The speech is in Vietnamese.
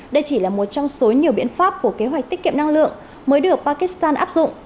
đây chỉ là một trong số nhiều biện pháp của kế hoạch tích kiệm năng lượng mới được pakistan áp dụng